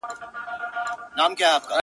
• یوه مینه مي په زړه کي یو تندی یوه سجده ده -